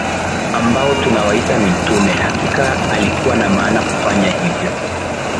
ambao tunawaita mitume Hakika alikuwa na maana kufanya hivyo